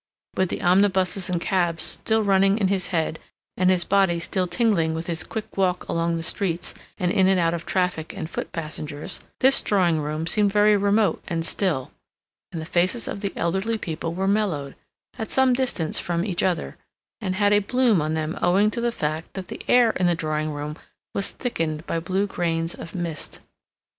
With the omnibuses and cabs still running in his head, and his body still tingling with his quick walk along the streets and in and out of traffic and foot passengers, this drawing room seemed very remote and still; and the faces of the elderly people were mellowed, at some distance from each other, and had a bloom on them owing to the fact that the air in the drawing room was thickened by blue grains of mist.